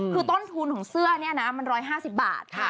คือต้นทุนของเสื้อนี่นะมัน๑๕๐บาท